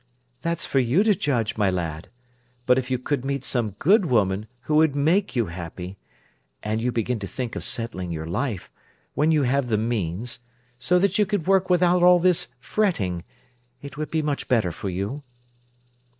"That's for you to judge, my lad. But if you could meet some good woman who would make you happy—and you began to think of settling your life—when you have the means—so that you could work without all this fretting—it would be much better for you."